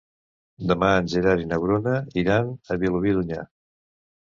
Demà en Gerard i na Bruna iran a Vilobí d'Onyar.